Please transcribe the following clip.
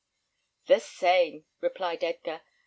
"The same," replied Edgar.